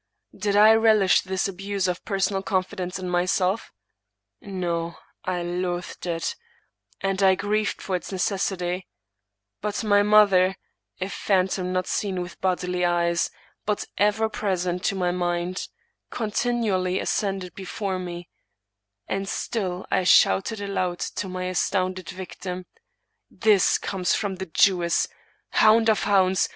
Did I relish this abuse of per 157 English Mystery Stories sonal confidence in myself? No— I loathed it, and I grieved for its necessity ; but my mother, a phantom not seen with bodily eyes, but ever present to my mind, continually ascended before me; and still I shouted aloud to my as tounded victim, * This comes from the Jewess ! Hound ol hounds